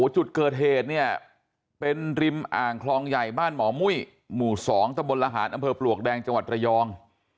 จุดเกิดเหตุเนี่ยเป็นริมอ่างคลองใหญ่บ้านหมอมุ้ยหมู่๒ตะบนระหารอำเภอปลวกแดงจังหวัดระยอง